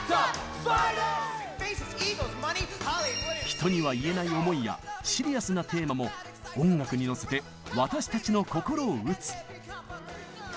人には言えない思いやシリアスなテーマも音楽にのせて私たちの心を打つ。